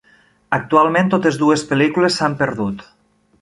Actualment totes dues pel·lícules s'han perdut.